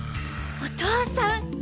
お父さん！！